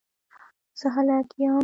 زه هلک یم